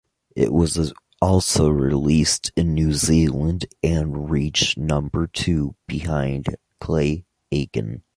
It was also released in New Zealand and reached number two behind Clay Aiken.